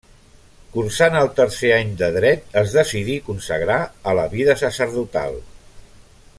Cursant el tercer any de dret es decidí consagrar a la vida sacerdotal.